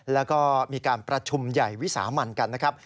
แล้วก็มีการประชุมใหญ่วิสามันกันนะครับ